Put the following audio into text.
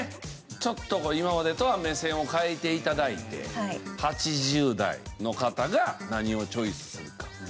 ちょっとこう今までとは目線を変えて頂いて８０代の方が何をチョイスするか。